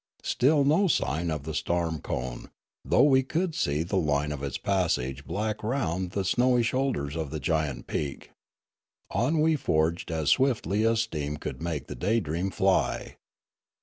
Still no sign of the storm cone, though we could see the line of its passage black round the snowy shoulders of the giant peak. On we forged as swiftly as steam could make the Daydream fly.